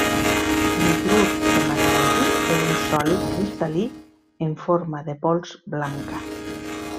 L'hidrur de magnesi és un sòlid cristal·lí en forma de pols blanca.